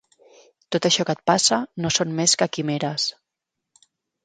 Tot això que et passa no són més que quimeres.